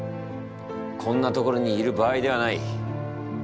こんな所にいる場合ではない。